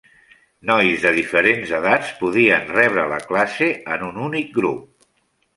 Nois de diferents edats podien rebre la classe en un únic grup.